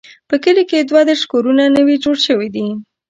په کلي کې دوه دیرش کورونه نوي جوړ شوي دي.